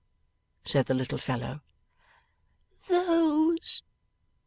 said the little fellow. 'Those!